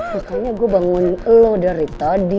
makanya gua bangunin lu dari tadi